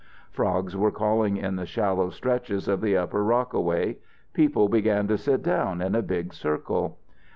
Frogs were calling in the shallow stretches of the Upper Rockaway. People began to sit down in a big circle.